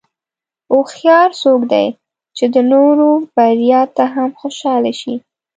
هوښیار څوک دی چې د نورو بریا ته هم خوشاله شي.